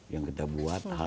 yang kita buat